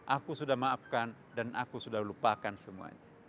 aku sudah maafkan dan aku sudah lupakan semuanya